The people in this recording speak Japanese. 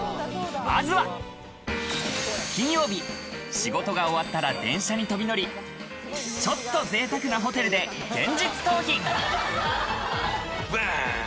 まずは、金曜日、仕事が終わったら電車に飛び乗り、ちょっと贅沢なホテルで現実逃避。